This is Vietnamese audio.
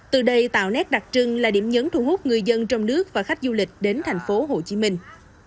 từ đây tạo nét đặc trưng là điểm nhấn thu hút người dân trong nước và khách du lịch đến thành phố hồ chí minh